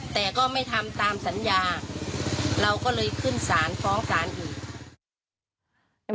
แต่ก็ไม่ทำตามสัญญาเราก็เลยขึ้นสารฟ้องศาลอีก